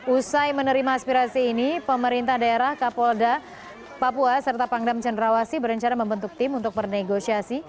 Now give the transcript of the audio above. usai menerima aspirasi ini pemerintah daerah kapolda papua serta pangdam cenderawasi berencana membentuk tim untuk bernegosiasi